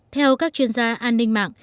theo các chuyên gia an ninh mạng